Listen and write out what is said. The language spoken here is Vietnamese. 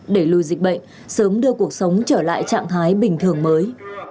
để lùi dịch bệnh sớm đưa cuộc sống trở lại trạng thái bình thường mới